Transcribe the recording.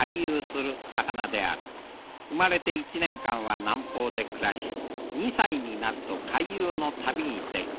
生まれて１年間は南方で暮らし２歳になると回遊の旅に出る。